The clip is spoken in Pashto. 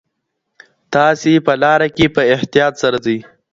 تاسي په لاره کي په احتیاط سره ځئ.